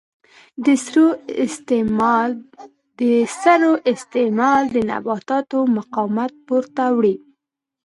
د سرو استعمال د نباتاتو مقاومت پورته وړي.